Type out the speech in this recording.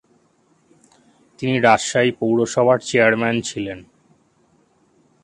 তিনি রাজশাহী পৌরসভার চেয়ারম্যান ছিলেন।